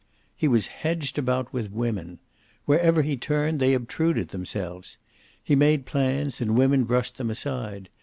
He was hedged about with women. Wherever he turned, they obtruded themselves. He made plans and women brushed them aside.